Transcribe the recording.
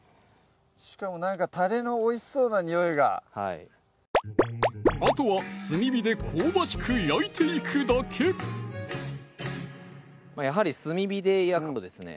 しかもなんかたれのおいしそうなにおいがあとは炭火で香ばしく焼いていくだけやはり炭火で焼くとですね